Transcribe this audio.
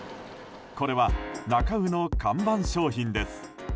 これはなか卯の看板商品です。